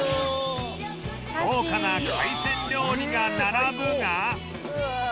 豪華な海鮮料理が並ぶが